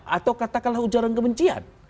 atau katakanlah ujaran kebencian